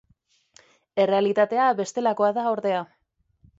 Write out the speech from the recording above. Errealitatea bestelakoa da ordea.